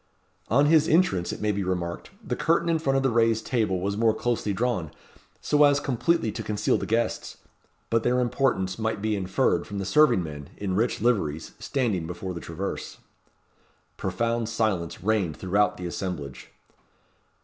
On his entrance, it may be remarked, the curtain in front of the raised table was more closely drawn, so as completely to conceal the guests. But their importance might be inferred from the serving men, in rich liveries, standing before the traverse. Profound silence reigned throughout the assemblage.